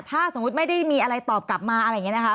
ถ้าสมมุติไม่ได้มีอะไรตอบกลับมาอะไรอย่างนี้นะคะ